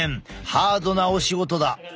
ハードなお仕事だ。